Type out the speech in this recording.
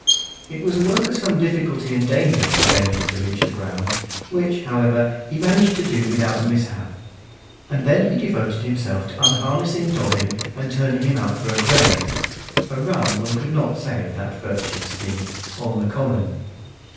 It was a work of some difficulty and danger for Benjy to reach the ground, which, however, he managed to do without mishap; and then he devoted himself to unharnessing Dobbin and turning him out for a graze ("a run" one could not say of that virtuous steed) on the common.